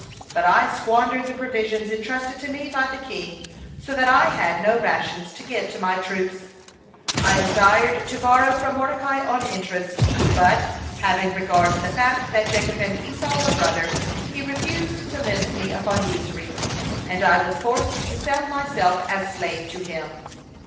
But I squandered the provisions entrusted to me by the king, so that I had no rations to give to my troops. I desired to borrow from Mordecai on interest, but, having regard to the fact that Jacob and Esau were brothers, he refused to lend me upon usury, and I was forced to sell myself as slave to him.